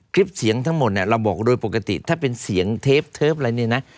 คลิปเสียงทั้งหมดเนี่ยเราบอกโดยปกติถ้าเป็นเสียงเทปเทปอะไรเนี่ยนะ